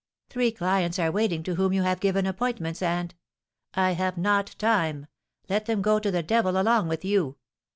'Three clients are waiting to whom you have given appointments, and ' 'I have not time; let them go to the devil along with you!'